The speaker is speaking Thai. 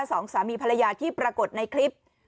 สองสามีภรรยาที่ปรากฏในคลิป